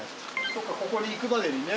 そっかここに行くまでにね。